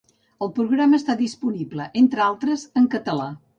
El programa està disponible, entre d'altres, en català.